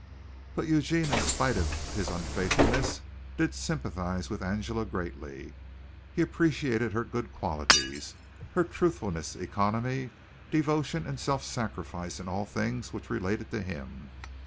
But Eugene in spite of his unfaithfulness did sympathize with Angela greatly. He appreciated her good qualities her truthfulness, economy, devotion and self sacrifice in all things which related to him.